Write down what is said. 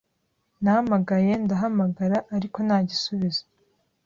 Nahamagaye ndahamagara, ariko nta gisubizo